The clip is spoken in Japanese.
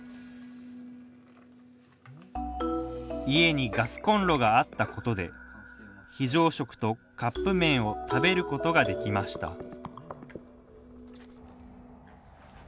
家にガスコンロがあったことで非常食とカップ麺を食べることができました